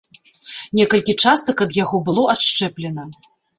Некалькі частак ад яго было адшчэплена.